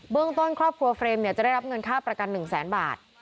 เบื้องต้นครอบครัวเฟรมจะได้รับเงินค่าประกันหนึ่งแสนบาท